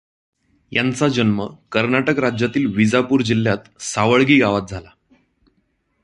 यांचा जन्म कर्नाटक राज्यातील विजापुर जिल्ह्यात सावळगी गावात झाला.